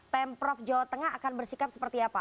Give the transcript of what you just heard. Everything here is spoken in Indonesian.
pemprov jawa tengah akan bersikap seperti apa